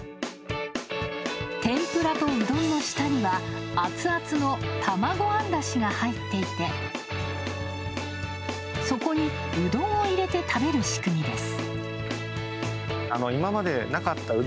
天ぷらとうどんの下にはアツアツの玉子あんだしが入っていてそこに、うどんを入れて食べる仕組みです。